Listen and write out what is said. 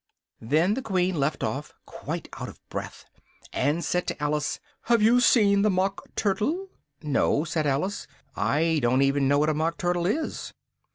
Then the Queen left off, quite out of breath, and said to Alice "have you seen the Mock Turtle?" "No," said Alice, "I don't even know what a Mock Turtle is."